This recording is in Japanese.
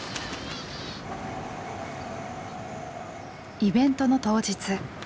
イベントの当日。